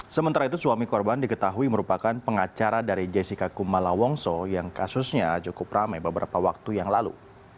sementara itu suami korban diketahui merupakan pengacara dari jessica kumala wongso yang kasusnya cukup rame beberapa waktu yang lalu